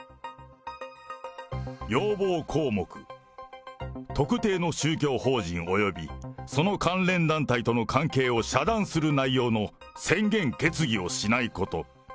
要望項目、特定の宗教法人およびその関連団体との関係を遮断する内容の宣言・決議をしないこと。